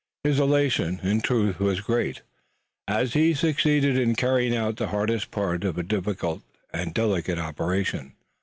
His elation, in truth, was great, as he had succeeded in carrying out the hardest part of a difficult and delicate operation.